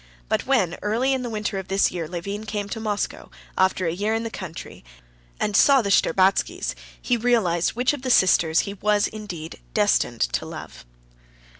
But when early in the winter of this year Levin came to Moscow, after a year in the country, and saw the Shtcherbatskys, he realized which of the three sisters he was indeed destined to love.